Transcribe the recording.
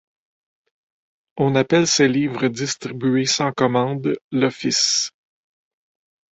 On appelle ces livres distribués sans commande l'Office.